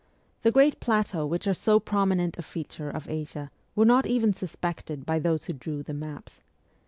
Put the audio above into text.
The great plateaux which are so prominent a feature of Asia were not even suspected by those who drew the maps.